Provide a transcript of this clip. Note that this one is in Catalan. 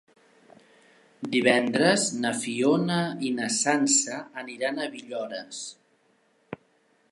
Divendres na Fiona i na Sança aniran a Villores.